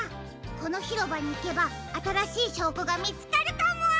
このひろばにいけばあたらしいしょうこがみつかるかも！